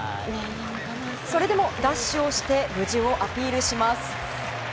それでもダッシュをして無事をアピールします。